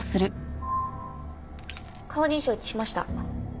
顔認証一致しました。